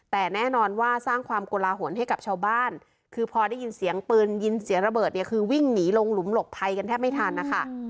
แต่แน่นอนว่าสร้างความโกลาหลให้กับชาวบ้านคือพอได้ยินเสียงปืนยินเสียงระเบิดเนี่ยคือวิ่งหนีลงหลุมหลบภัยกันแทบไม่ทันนะคะ